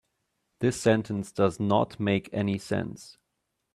This sentence does not make any sense.